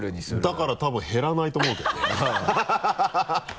だから多分減らないと思うけどねハハハ